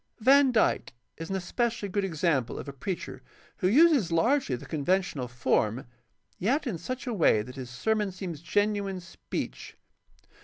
Van Dyke is an especially good example of a preacher who uses largely the conventional form, yet in such a way that his ser mon seems genuine speech.